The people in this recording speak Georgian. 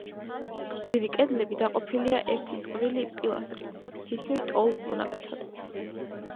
გრძივი კედლები დაყოფილია ერთი წყვილი პილასტრით, თითქმის ტოლ მონაკვეთად.